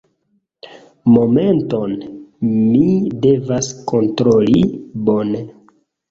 Momenton, mi devas kontroli. Bone.